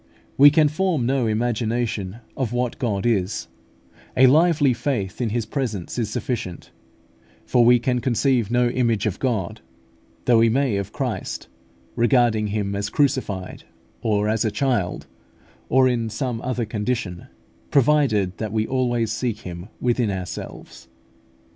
We can form no imagination of what God is: a lively faith in His presence is sufficient; for we can conceive no image of God, though we may of Christ, regarding Him as crucified, or as a child, or in some other condition, provided that we always seek Him within ourselves.